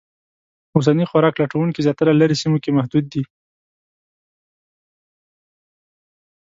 اوسني خوراک لټونکي زیاتره لرې سیمو کې محدود دي.